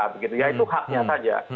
begitu ya itu haknya saja